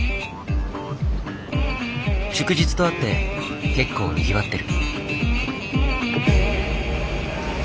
祝日とあって結構にぎわってる。